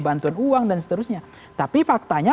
bantuan uang dan seterusnya tapi faktanya